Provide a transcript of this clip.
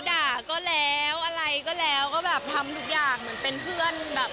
ด่าก็แล้วอะไรก็แล้วก็แบบทำทุกอย่างเหมือนเป็นเพื่อนแบบ